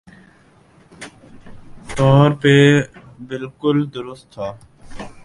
طور پہ بالکل درست تھا